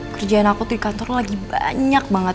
kerjaan aku tuh di kantor lagi banyak banget